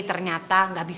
gak ada pasien